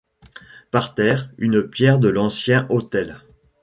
Par terre une pierre de l'ancien autel.